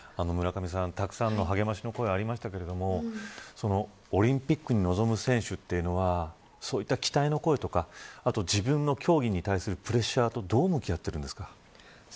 村上さん、たくさんの励ましの声がありましたがオリンピックに臨む選手というのはそういった期待の声とか自分の競技に対するプレッシャーとどう向き合っているんですか。